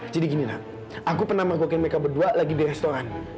jadi gini nak aku pernah merokokin mereka berdua lagi di restoran